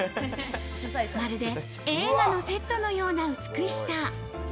まるで映画のセットのような美しさ。